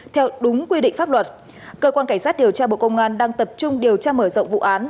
theo đúng quy định pháp luật cơ quan cảnh sát điều tra bộ công an đang tập trung điều tra mở rộng vụ án